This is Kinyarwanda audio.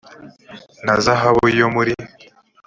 na zahabu yo muri